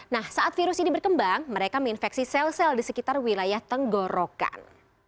nah saat virus ini berkembang mereka menginfeksi sel sel di sekitar wilayah tenggorokan